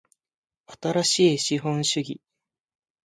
新しい資本主義